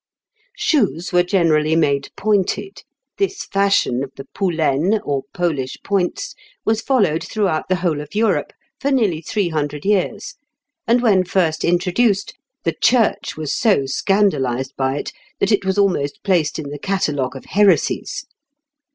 Shoes were generally made pointed; this fashion of the poulaines, or Polish points, was followed throughout the whole of Europe for nearly three hundred years, and, when first introduced, the Church was so scandalized by it that it was almost placed in the catalogue of heresies.